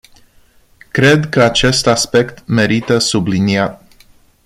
Cred că acest aspect merită subliniat.